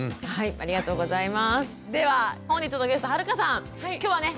ありがとうございます。